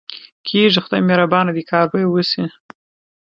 کېږي، خدای مهربانه دی، کار به یې وشي.